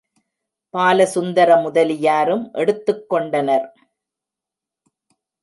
பாலசுந்தர முதலியாரும் எடுத்துக்கொண்டனர்.